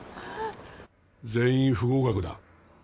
全員不合格だ。